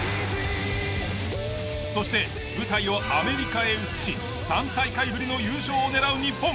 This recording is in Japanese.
そして舞台をアメリカへ移し３大会ぶりの優勝を狙う日本。